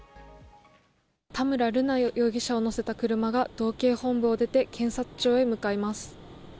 田村瑠奈容疑者を乗せた車が道警本部を出て検察庁へ向かいます。